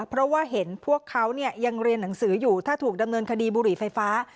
เพราะว่าเห็นพวกเขายังเรียนหนังสืออยู่ถ้าถูกดำเนินคดีบุหรี่ไฟฟ้า